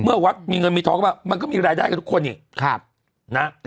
เมื่อวัดมีเงินมีทองเค้าบอกว่ามันก็มีรายได้กับทุกคนอีกครับนะ